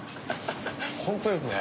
ホントですね。